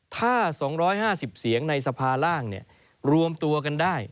ถ้า๒๕๐เสียงในสภาร่างรวมตัวกันได้